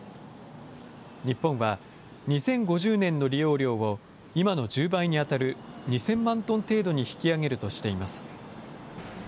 日本は、２０５０年の利用量を今の１０倍に当たる２０００万トン程度に引き上げるとしています。